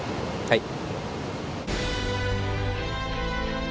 はい。